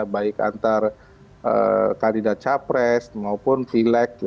baik antar kandidat capres maupun pilek